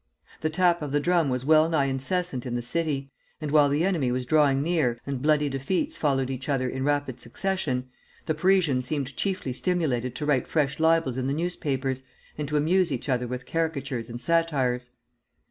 The tap of the drum was wellnigh incessant in the city; and while the enemy was drawing near, and bloody defeats followed each other in rapid succession, the Parisians seemed chiefly stimulated to write fresh libels in the newspapers, and to amuse each other with caricatures and satires.